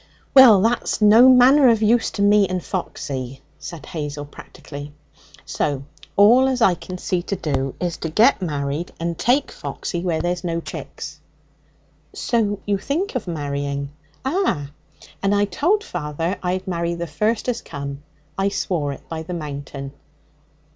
'Well, that's no manner of use to me and Foxy,' said Hazel practically. 'So all as I can see to do is to get married and take Foxy where there's no chicks.' 'So you think of marrying?' 'Ah! And I told father I'd marry the first as come. I swore it by the Mountain.'